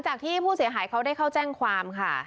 ใช้วิธีนี้ลอกเหยื่อมาแล้ว๖คน